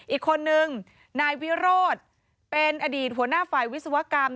อีกคนนึงนายวิโรธเป็นอดีตหัวหน้าฝ่ายวิศวกรรม